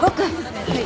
はい。